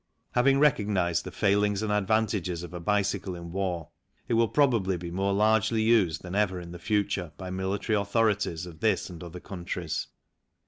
Having recognized the failings and advantages of a bicycle in war, it will probably be more largely used than ever in the future by military authorities of this and other countries.